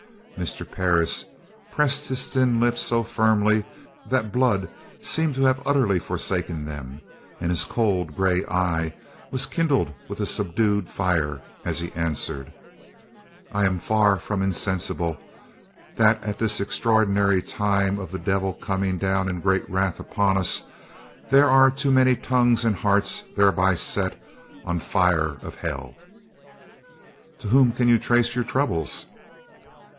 Mr. Parris pressed his thin lips so firmly that the blood seemed to have utterly forsaken them, and his cold gray eye was kindled with a subdued fire, as he answered: "I am far from insensible that at this extraordinary time of the devil coming down in great wrath upon us, there are too many tongues and hearts thereby set on fire of hell." "To whom can you trace your troubles?"